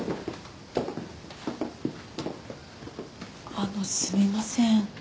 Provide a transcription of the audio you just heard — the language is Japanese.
あのすみません。